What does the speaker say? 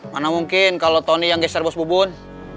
mana mungkin kalau tony yang geser bos bubun